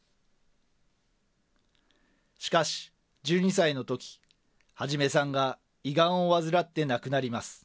しかし、１２歳のとき、肇さんが胃がんを患って亡くなります。